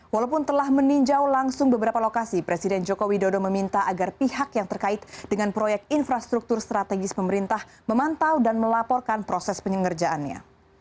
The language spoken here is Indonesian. walaupun telah meninjau langsung beberapa lokasi presiden joko widodo meminta agar pihak yang terkait dengan proyek infrastruktur strategis pemerintah memantau dan melaporkan proses penyelenggaraannya